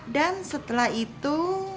dan setelah itu